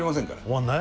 終わんない？